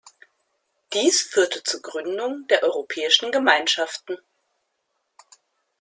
Dies führte zur Gründung der Europäischen Gemeinschaften.